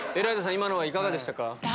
今のはいかがでしたか？